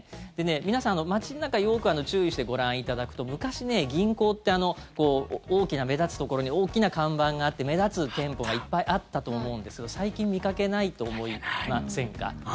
皆さん、街の中よく注意してご覧いただくと昔、銀行って大きな目立つところに大きな看板があって目立つ店舗がいっぱいあったと思うんですけど最近、見かけないと思いませんか？